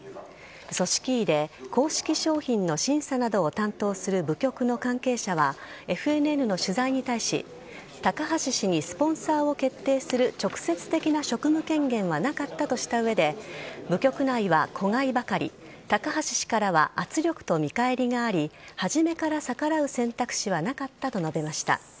組織委で公式商品の審査などを担当する部局の関係者はＦＮＮの取材に対し高橋氏にスポンサーを決定する直接的な職務権限はなかったとした上で部局内は子飼いばかり高橋氏からは圧力と見返りがあり初めから逆らう選択肢はなかったと述べました。